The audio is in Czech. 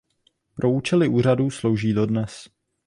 Pro účely úřadů slouží dodnes.